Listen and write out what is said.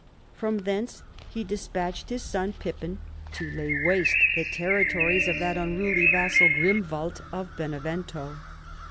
From thence he despatched his son Pippin to lay waste the territories of that unruly vassal, Grimwald of Benevento.